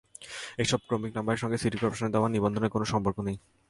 এসব ক্রমিক নম্বরের সঙ্গে সিটি করপোরেশনের দেওয়া নিবন্ধনের কোনো সম্পর্ক নেই।